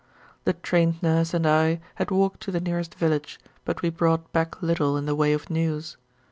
The Trained Nurse and I had walked to the nearest village, but we brought back little in the way of news.